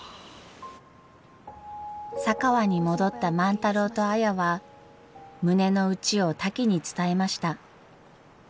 佐川に戻った万太郎と綾は胸の内をタキに伝えました。